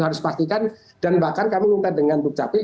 dan bahkan kami minta dengan dukcapil